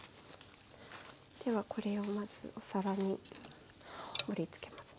ではこれをまずお皿に盛りつけますね。